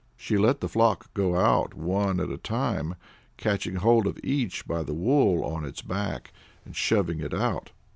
She let the flock go out one at a time, catching hold of each by the wool on its back, and shoving it out.